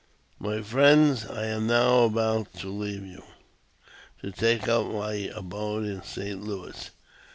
*' My friends ! I am now about to leave you, to take up my abode in St. Louis.